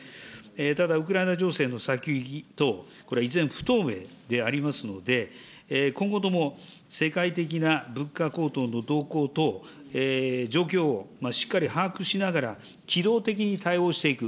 ただウクライナ情勢の先行きと、これ、依然不透明でありますので、今後とも世界的な物価高騰の動向と状況をしっかり把握しながら、機動的に対応していく。